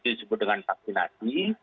itu disebut dengan vaksinasi